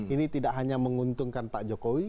ini tidak hanya menguntungkan pak jokowi